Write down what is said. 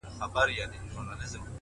هره شېبه او هر گړى مي په ياد.!